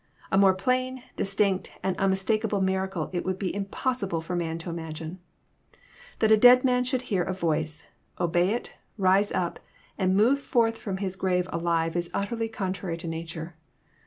A more plain, distinct, and unmistakable miracle it would be im possible for man to imagine. That a dead man should hear a voice, obey it, rise up, and move forth ft*om bis grave alive is utterly contrary to nature.